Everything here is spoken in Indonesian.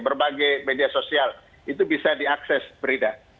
berbagai media sosial itu bisa diakses brida